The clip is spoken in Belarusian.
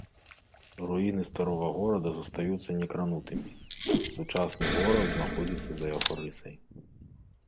Руіны старога горада застаюцца некранутымі, сучасны горад знаходзіцца за яго рысай.